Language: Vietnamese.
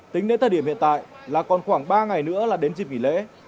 tính đến thời điểm hiện tại là còn khoảng ba ngày nữa là đến dịp nghỉ lễ